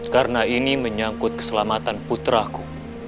karena ini menyangkut keselamatan putraku